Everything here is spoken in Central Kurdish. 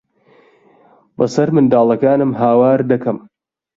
بەسەر منداڵەکانم ھاوار دەکەم.